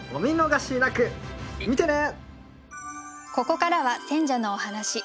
ここからは選者のお話。